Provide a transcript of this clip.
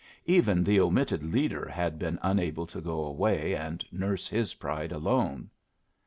Even the omitted leader had been unable to go away and nurse his pride alone.